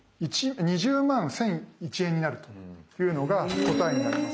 ２０万１，００１円になるというのが答えになります。